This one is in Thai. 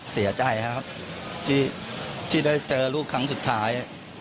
เสียใจครับที่ได้เจอลูกครั้งสุดท้าย